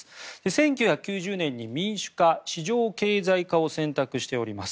１９９０年に民主化市場経済化を選択しております。